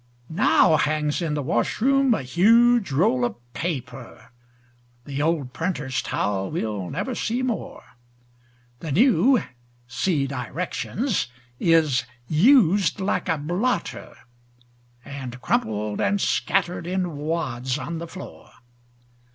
Now hangs in the washroom a huge roll of paper The old printer's towel we'll never see more. The new (see directions) is "used like a blotter," And crumpled and scattered in wads on the floor.